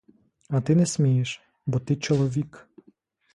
А ти не смієш, бо ти чоловік.